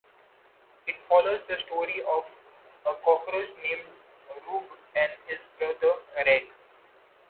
It follows the story of a cockroach named Rube and his brother Reg.